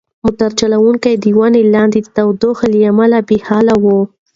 موټر چلونکی د ونې لاندې د تودوخې له امله بې حاله و.